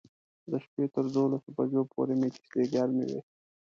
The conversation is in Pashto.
د شپې تر دولس بجو پورې مو کیسې ګرمې وې.